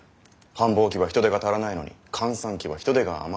繁忙期は人手が足らないのに閑散期は人手が余る。